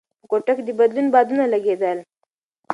په کوټه کې د بدلون بادونه لګېدل.